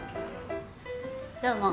どうも。